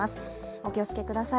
お気をつけください。